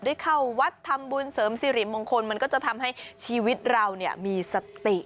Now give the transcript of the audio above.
ได้เข้าวัดทำบุญเสริมสิริมงคลมันก็จะทำให้ชีวิตเรามีสติ